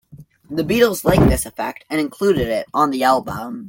The Beatles liked this effect and included it on the album.